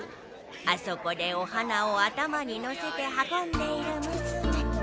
あそこでお花を頭にのせて運んでいるむすめ。